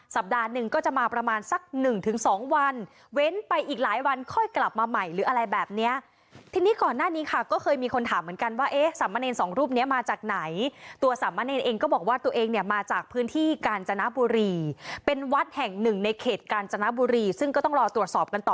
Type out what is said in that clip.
สัปดาห์หนึ่งก็จะมาประมาณสักหนึ่งถึงสองวันเว้นไปอีกหลายวันค่อยกลับมาใหม่หรืออะไรแบบเนี้ยทีนี้ก่อนหน้านี้ค่ะก็เคยมีคนถามเหมือนกันว่าเอ๊ะสามเณรสองรูปเนี้ยมาจากไหนตัวสามะเนรเองก็บอกว่าตัวเองเนี่ยมาจากพื้นที่กาญจนบุรีเป็นวัดแห่งหนึ่งในเขตกาญจนบุรีซึ่งก็ต้องรอตรวจสอบกันต่อ